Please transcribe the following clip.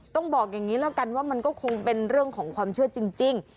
ต้องบอกอย่างนี้แล้วกันว่ามันก็คงเป็นเรื่องของความเชื่อจริง